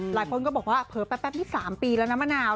หลายคนก็บอกว่าเผลอแป๊บนี่๓ปีแล้วนะมะนาว